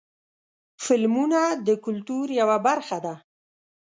فلمونه د کلتور یوه برخه ده.